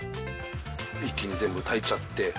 一気に全部炊いちゃって。